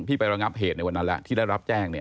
ไประงับเหตุในวันนั้นแล้วที่ได้รับแจ้ง